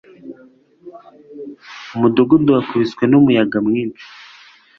Umudugudu wakubiswe n'umuyaga mwinshi